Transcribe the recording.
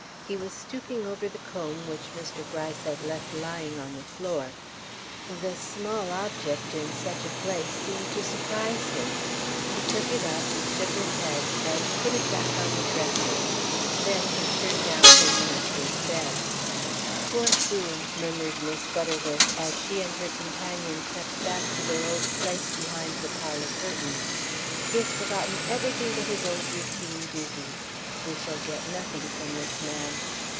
He was stooping over the comb which Mr. Gryce had left lying on the floor. This small object in such a place seemed to surprise him. He took it up, shook his head, and put it back on the dresser. Then he turned down his master's bed. "Poor fool!" murmured Miss Butterworth as she and her companion crept back to their old place behind the parlor curtains, "he has forgotten everything but his old routine duties. We shall get nothing from this man."